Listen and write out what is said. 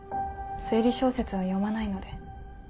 推理小説は読まないので。